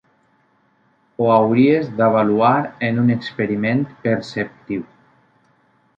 Ho hauries d'avaluar en un experiment perceptiu.